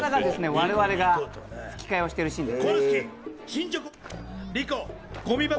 我々が吹き替えをしているシーンです。